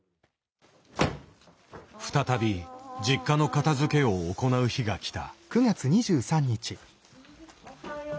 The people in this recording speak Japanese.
再び実家の片づけを行う日がきた。